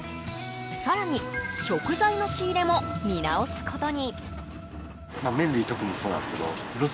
更に食材の仕入れも見直すことに。